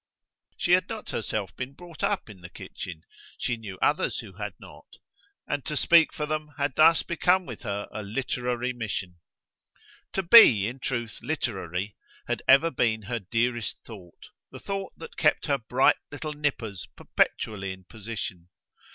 She had not herself been brought up in the kitchen; she knew others who had not; and to speak for them had thus become with her a literary mission. To BE in truth literary had ever been her dearest thought, the thought that kept her bright little nippers perpetually in position.